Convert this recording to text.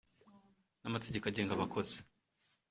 n amategeko agenga abakozi